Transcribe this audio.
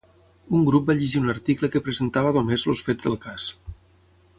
Un grup va llegir un article que presentava només els fets del cas.